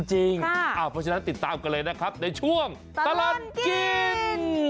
จริงติดตามกันเลยนะครับในช่วงตลัดกิน